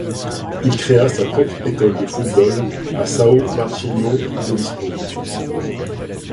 Il crée sa propre école de football à São Martinho do Bispo.